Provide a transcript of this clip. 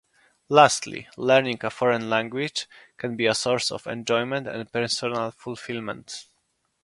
Lastly, learning a foreign language can be a source of enjoyment and personal fulfillment.